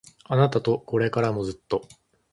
あなたとこれからもずっと